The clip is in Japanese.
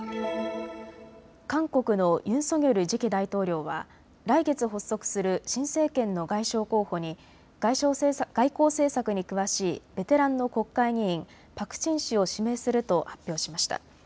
韓国のユン・ソギョル次期大統領は来月、発足する新政権の外相候補に外交政策に詳しいベテランの国会議員、パク・チン氏を指名すると発表しました。